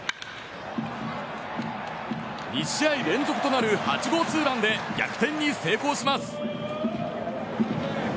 ２試合連続となる８号ツーランで逆転に成功します。